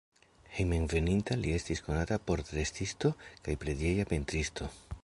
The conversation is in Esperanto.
Hejmenveninta li estis konata portretisto kaj preĝeja pentristo.